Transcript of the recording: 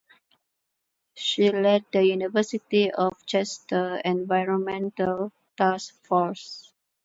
She led the University of Chester Environmental Task Force.